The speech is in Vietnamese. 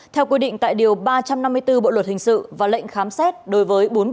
theo quy định tại điều ba trăm năm mươi bốn bộ luật hình